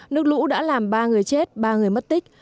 nước lũ đã làm ba người chết ba người mất tích